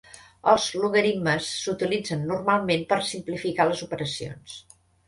Els logaritmes s'utilitzen normalment per simplificar les operacions.